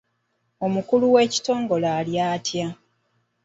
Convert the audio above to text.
Omukulu w'ekitongole ali atya?